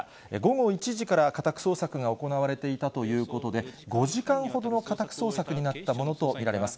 午後１時から家宅捜索が行われていたということで、５時間ほどの家宅捜索になったものと見られます。